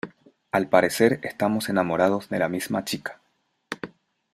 al parecer, estamos enamorados de la misma chica ,